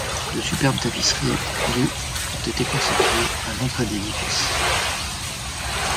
De superbes tapisseries du ont été conservées à l'entrée de l'édifice.